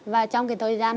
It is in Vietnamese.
và trong cái thời gian